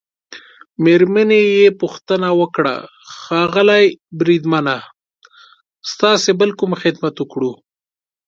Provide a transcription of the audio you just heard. مېرمنې يې پوښتنه وکړه: ښاغلی بریدمنه، ستاسي بل کوم خدمت وکړو؟